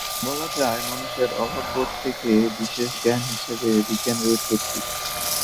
বলা যায়, মানুষের অভাববোধ থেকে বিশেষ জ্ঞান হিসেবে বিজ্ঞানের উৎপত্তি।